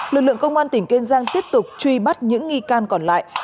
lực lượng công an tỉnh kiên giang tiếp tục truy bắt những nghi can còn lại